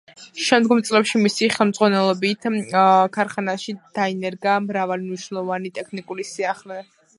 შემდგომ წლებში მისი ხელმძღვანელობით ქარხანაში დაინერგა მრავალი მნიშვნელოვანი ტექნიკური სიახლე.